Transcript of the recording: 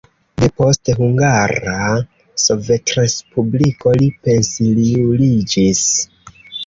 Depost Hungara Sovetrespubliko li pensiuliĝis.